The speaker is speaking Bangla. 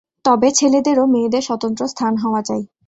তবে ছেলেদের ও মেয়েদের স্বতন্ত্র স্থান হওয়া চাই।